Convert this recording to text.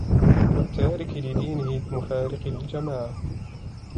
وَالتَّارِكِ لِدِينِهِ الْمُفَارِقِ لِلْجَمَاعَةِ